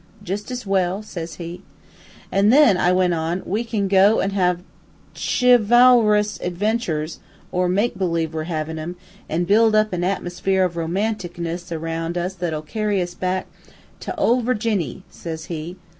"'Jus' as well,' says he. "'An' then,' I went on, 'we can go an' have chi VAL rous adventures, or make believe we're havin' 'em, an' build up a atmosphere of romanticness aroun' us that'll carry us back ' "'To ole Virginny,' says he.